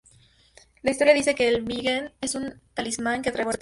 La historia dice que el Billiken es un talismán que trae buena suerte.